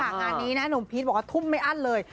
งานนี้นะหนุ่มพีชบอกว่าทุ่มไม่อั้นเลย